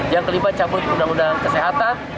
yang kelima cabut undang undang kesehatan